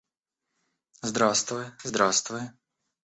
Здравствуй, здравствуй.